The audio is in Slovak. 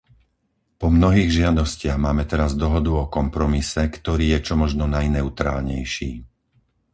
Po mnohých žiadostiach máme teraz dohodu o kompromise, ktorý je čo možno najneutrálnejší.